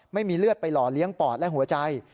ไม่มีเลือดไปหล่อเลี้ยงปอดและหัวใจ